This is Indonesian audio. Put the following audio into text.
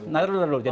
naruh dulu naruh dulu